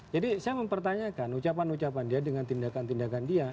jadi saya mempertanyakan ucapan ucapan dia dengan tindakan tindakan dia